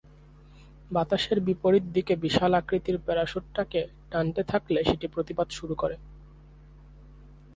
বাতাসের বিপরীত দিকে বিশাল আকৃতির প্যারাস্যুটটাকে টানতে থাকলে সেটি প্রতিবাদ শুরু করে।